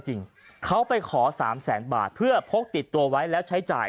จริงเขาไปขอสามแสนบาทเพื่อพกติดตัวไว้แล้วใช้จ่าย